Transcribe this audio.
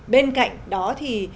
bên cạnh đó thì